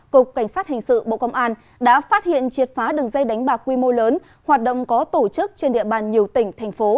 cục cảnh sát hình sự bộ công an đã phát hiện triệt phá đường dây đánh bạc quy mô lớn hoạt động có tổ chức trên địa bàn nhiều tỉnh thành phố